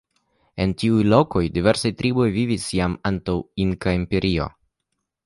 En tiu loko diversaj triboj vivis jam antaŭ Inkaa imperio.